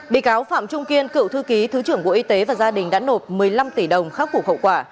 bị cáo phạm trung kiên cựu thư ký thứ trưởng bộ y tế và gia đình đã nộp một mươi năm tỷ đồng khắc phục hậu quả